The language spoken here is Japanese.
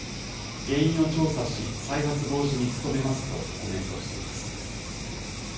原因を調査し、再発防止に努めますとコメントしています。